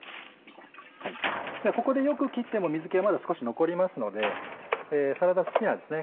ここでよく切っても水気はまだ少し残りますのでサラダスピナーですね